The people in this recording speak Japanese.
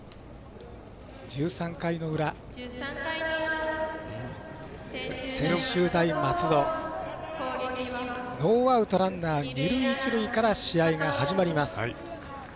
１３回の裏、専修大松戸ノーアウトランナー、二塁一塁から試合が始まります。